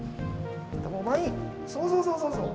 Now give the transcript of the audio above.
そうそうそうそうそう。